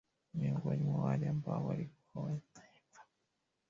miongoni mwa wale ambao walikuwa wanaimba